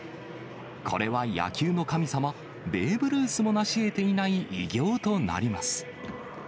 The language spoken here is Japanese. これは野球の神様、ベーブ・ルースもなしえていない偉業となります。